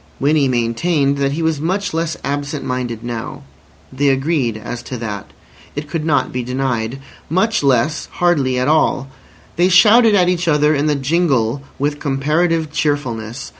Winnie maintained that he was much less "absent minded" now. They agreed as to that. It could not be denied. Much less—hardly at all. They shouted at each other in the jingle with comparative cheerfulness.